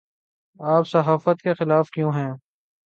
آپ صحافت کے خلاف کیوں ہیں